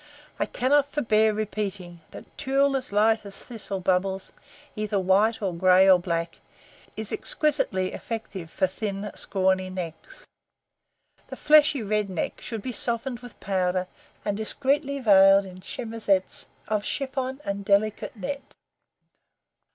I cannot forbear repeating that tulle as light as thistle bubbles, either white or gray or black, is exquisitely effective for thin, scrawny necks. The fleshy, red neck should be softened with powder and discreetly veiled in chemisettes of chiffon and delicate net.